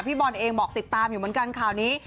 บอลเองบอกติดตามอยู่เหมือนกันข่าวนี้